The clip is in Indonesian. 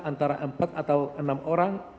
antara empat atau enam orang